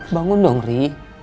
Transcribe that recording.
bangun dong ri